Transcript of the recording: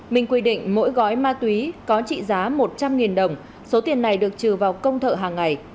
minh quy định mỗi gói ma túy có trị giá một trăm linh đồng số tiền này được trừ vào công thợ hàng ngày